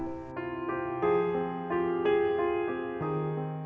อารสิทธิ์ปฏิเสธในร้าน